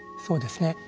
そうですね。